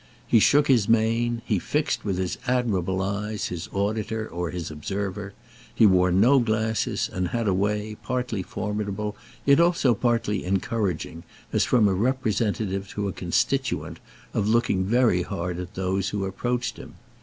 He shook his mane; he fixed, with his admirable eyes, his auditor or his observer; he wore no glasses and had a way, partly formidable, yet also partly encouraging, as from a representative to a constituent, of looking very hard at those who approached him.